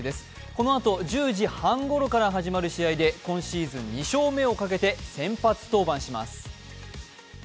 このあと１０時半ごろから始まる試合で今シーズン２勝目をかけて先発登板します。